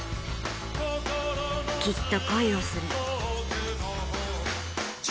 きっと恋をする。